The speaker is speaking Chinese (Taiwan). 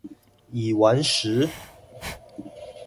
已完食